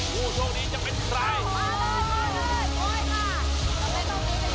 ผู้โชคดีจะเป็นใคร